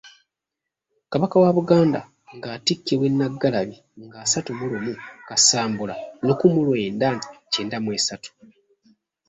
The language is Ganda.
Kabaka wa Buganda ng’atikkibwa e Nnaggalabbi ng'asatu mu lumu Kasambula lukumi mu lwenda kyenda mu esatu.